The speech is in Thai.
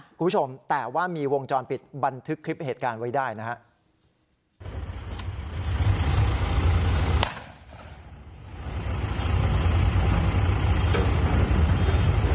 คุณผู้ชมแต่ว่ามีวงจรปิดบันทึกคลิปเหตุการณ์ไว้ได้นะครับ